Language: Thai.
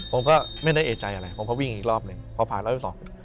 ผมก็ไม่ได้เอกใจอะไรผมก็วิ่งอีกรอบหนึ่งพอผ่านรอบที่สอง